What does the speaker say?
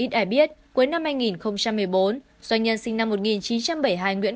ít ai biết cuối năm hai nghìn một mươi bốn doanh nhân sinh năm một nghìn chín trăm bảy mươi hai nguyễn